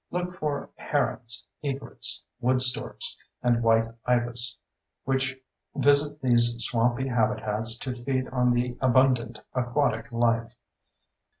Look for herons, egrets, wood storks, and white ibis, which visit these swampy habitats to feed on the abundant aquatic life.